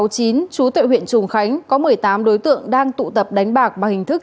trú tại huyện trùng khánh có một mươi tám đối tượng đang tụ tập đánh bạc bằng hình thức